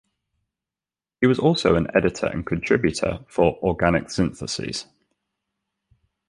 He was also an editor and contributor for "Organic Syntheses".